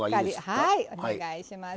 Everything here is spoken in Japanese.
はいお願いします。